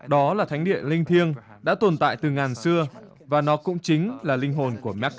đó là thánh địa linh thiêng đã tồn tại từ ngàn xưa và nó cũng chính là linh hồn của mcca